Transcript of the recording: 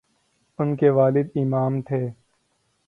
ان کے والد امام تھے۔